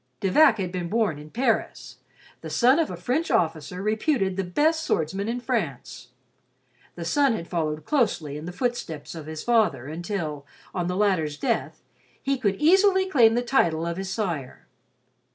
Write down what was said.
De Vac had been born in Paris, the son of a French officer reputed the best swordsman in France. The son had followed closely in the footsteps of his father until, on the latter's death, he could easily claim the title of his sire.